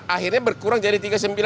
akhirnya berkurang jadi tiga puluh sembilan